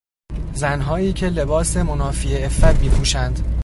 زنهایی که لباس منافی عفت میپوشند